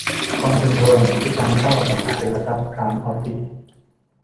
กองทุนรวมสิทธิการเช่าอสังหาริมทรัพย์ไพร์มออฟฟิศ